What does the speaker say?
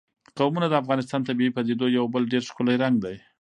قومونه د افغانستان د طبیعي پدیدو یو بل ډېر ښکلی رنګ دی.